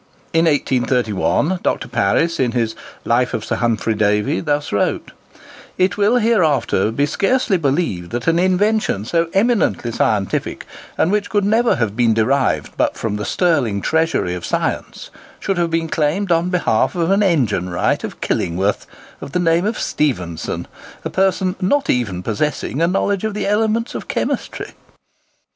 In 1831 Dr. Paris, in his 'Life of Sir Humphry Davy,' thus wrote:—"It will hereafter be scarcely believed that an invention so eminently scientific, and which could never have been derived but from the sterling treasury of science, should have been claimed on behalf of an engine wright of Killingworth, of the name of Stephenson—a person not even possessing a knowledge of the elements of chemistry."